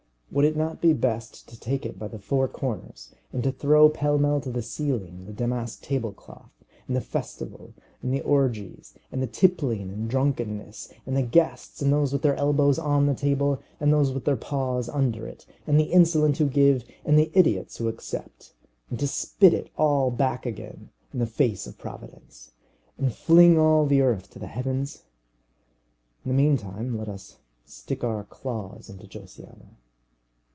Would it not be best to take it by the four corners, and to throw pell mell to the ceiling the damask tablecloth, and the festival, and the orgies, and the tippling and drunkenness, and the guests, and those with their elbows on the table, and those with their paws under it, and the insolent who give and the idiots who accept, and to spit it all back again in the face of Providence, and fling all the earth to the heavens? In the meantime let us stick our claws into Josiana.